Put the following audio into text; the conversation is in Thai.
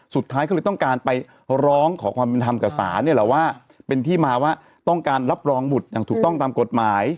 สุดท้ายก็เลยต้องการไปร้องขอความเป็นธรรมกับศาลเนี่ยแหละว่าเป็นที่มาว่าต้องการรับรองบุตรอย่างถูกต้องตามกฎหมาย